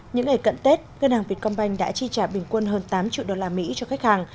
những ngày cận tết ngân hàng vietcombank đã chi trả bình quân hơn tám triệu đô la mỹ cho khách hàng